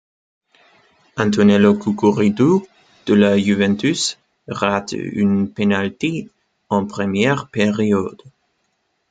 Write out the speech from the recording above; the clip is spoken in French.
Antonello Cuccureddu, de la Juventus, rate un penalty en première période.